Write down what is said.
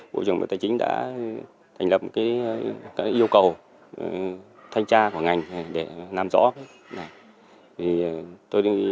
bộ trưởng bộ tài chính đã thành lập yêu cầu thanh tra của ngành để làm rõ này